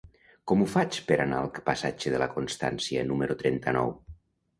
Com ho faig per anar al passatge de la Constància número trenta-nou?